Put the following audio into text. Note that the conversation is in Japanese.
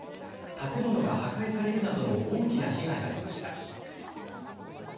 建物が破壊されるなどの大きな被害が出ました。